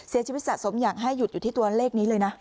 เสียชีวิตสะสมอย่างให้หยุดที่ตัวเลขนี้เลยนะ